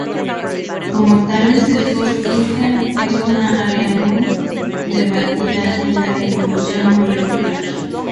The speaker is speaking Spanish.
Cómo tales sesgos surgen es una área muy debatida en la evolución molecular.